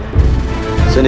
baik ayah anda